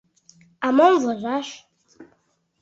А мом возаш